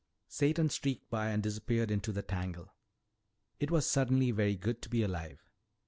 Satan streaked by and disappeared into the tangle. It was suddenly very good to be alive.